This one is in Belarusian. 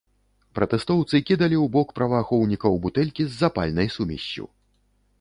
Пратэстоўцы кідалі ў бок праваахоўнікаў бутэлькі з запальнай сумессю.